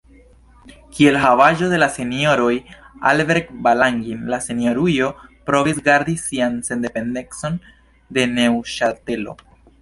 Kiel havaĵo de la Senjoroj Aarberg-Valangin la Senjorujo provis gardi sian sendependecon de Neŭŝatelo.